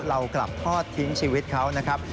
เรากลับทอดทิ้งชีวิตเขานะครับ